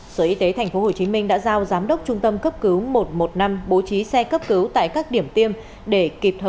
sở y tế tp hcm đã giao giám đốc trung tâm cấp cứu một trăm một mươi năm bố trí xe cấp cứu tại các điểm tiêm để kịp thời hỗ trợ khi cần thiết